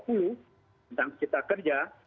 undang kita kerja